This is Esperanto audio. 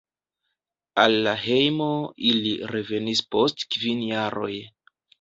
Al la hejmo ili revenis post kvin jaroj.